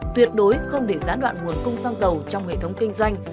tuyệt đối không để gián đoạn nguồn cung xăng dầu trong hệ thống kinh doanh